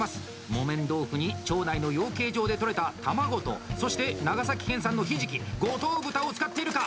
木綿豆腐に町内の養鶏場で取れた卵とそして長崎県産のひじき五島豚を使っているか！